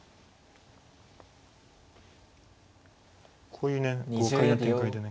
こういうね豪快な展開でね